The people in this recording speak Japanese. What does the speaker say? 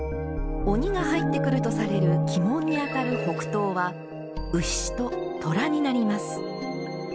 鬼が入ってくるとされる鬼門にあたる北東はうしととらになります。